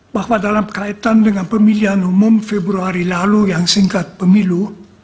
bahwa dalam kaitan dengan pemilihan umum februari lalu yang singkat pemilu